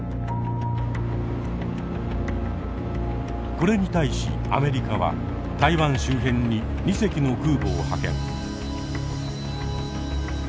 これに対しアメリカは台湾周辺に２隻の空母を派遣。